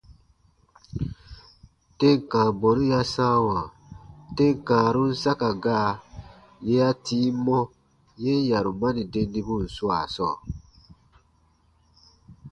Tem kãa bɔnu ya sãawa tem kãarun saka gaa yè ya tii mɔ yen yarumani dendibun swaa sɔɔ.